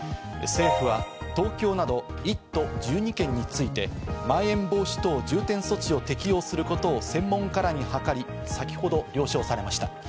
政府は東京など１都１２県について、まん延防止等重点措置を適用することを専門家らに諮り、先ほど了承されました。